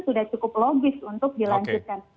sudah cukup logis untuk dilanjutkan